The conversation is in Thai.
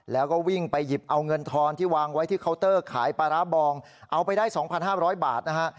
แล้วก็วิ่งไปหยิบเอาเงินทอนที่วางไว้ที่เคาน์เตอร์ขายปลาร้าบองเอาไปได้๒๕๐๐บาทนะฮะ